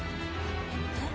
えっ？